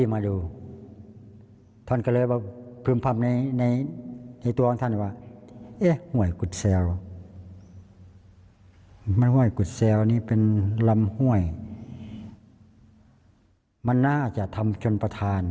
มันน่าจะทำจนประธาน